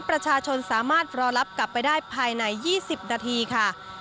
ประชาชนสามารถรอรับกลับไปได้ภายใน๒๐นาทีค่ะ